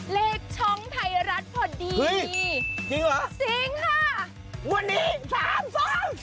เลขช้องไทรรัชพอดีจริงเหรอจริงค่ะบวนดี๓๒